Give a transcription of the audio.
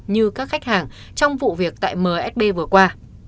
như các khách hàng trong vụ việc tại msb vừa qua